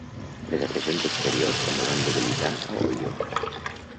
Les agressions exteriors també van debilitar a Oyo.